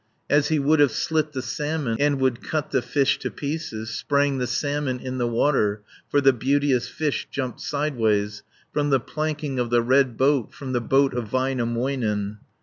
As he would have slit the salmon. And would cut the fish to pieces, Sprang the salmon in the water, For the beauteous fish jumped sideways From the planking of the red boat, From the boat of Väinämöinen.